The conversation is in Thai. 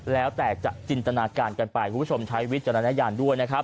แล้วแต่จะจินตนาการกันไปคุณผู้ชมใช้วิจารณญาณด้วยนะครับ